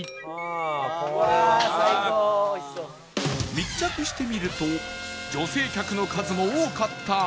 密着してみると女性客の数も多かったあさひ